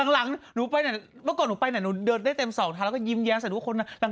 หลังหนูไปไหนเมื่อก่อนหนูไปไหนหนูเดินได้เต็มสองทางแล้วก็ยิ้มแย้มใส่ทุกคน